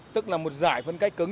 tức là một giải phân cách cứng